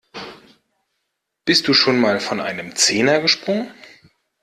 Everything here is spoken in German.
Bist du schon mal von einem Zehner gesprungen?